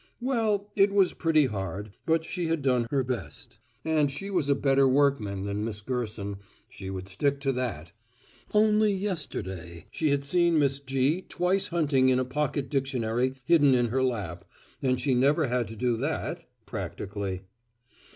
Well it was pretty hard, but she had done her best. And she was a better workman than Miss Gerson, she would stick to that. Only yesterday she had seen Miss G. twice hunting in a pocket dictionary hidden in her lap and she never had to do that, practically.